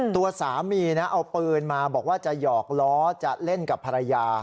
ตัวสามีนะเอาปืนมาบอกว่าจะหยอกล้อจะเล่นกับภรรยา